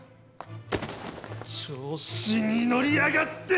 調子に乗りやがって！